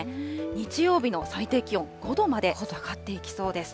日曜日の最低気温、５度まで下がっていきそうです。